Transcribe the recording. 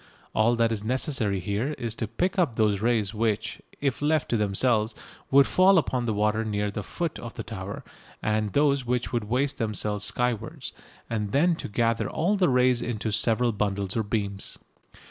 All that is necessary here is to pick up those rays which, if left to themselves, would fall upon the water near the foot of the tower, and those which would waste themselves skywards, and then to gather all the rays into several bundles or beams.